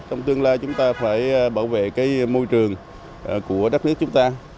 trong tương lai chúng ta phải bảo vệ cái môi trường của đất nước chúng ta